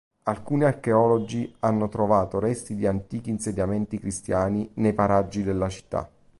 Alcuni archeologi hanno trovato resti di antichi insediamenti cristiani nei paraggi della città.